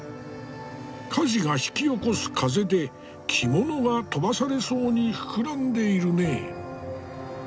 火事が引き起こす風で着物が飛ばされそうに膨らんでいるね。